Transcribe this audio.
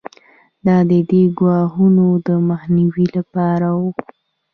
دا د دې ګواښونو د مخنیوي لپاره وو.